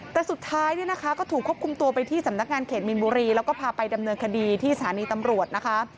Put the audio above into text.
แต่สุดท้ายเนี่ยนะคะก็ถูกควบคุมตัวไปที่สำนักงานเขตมีนบุรีแล้วก็พาไปดำเนินคดีที่สถานีตำรวจนะคะ